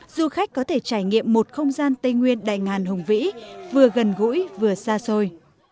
du khách có thể trải nghiệm một không gian tây nguyên đại ngàn hùng vĩ vừa gần gũi vừa xa xôi